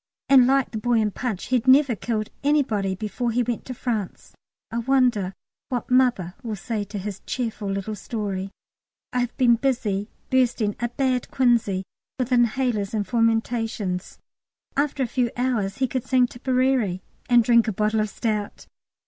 And like the boy in 'Punch,' he'd never killed anybody before he went to France. I wonder what "Mother" will say to his cheerful little story. I have been busy bursting a bad quinsy with inhalers and fomentations. After a few hours he could sing Tipperary and drink a bottle of stout!